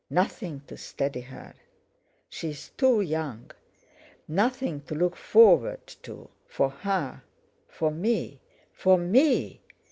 Nothing to steady her! She's too young. Nothing to look forward to, for her—for me! _For me!